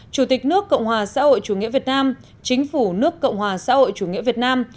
chủ tịch nước cộng hòa xã hội chủ nghĩa việt nam chính phủ nước cộng hòa xã hội chủ nghĩa việt nam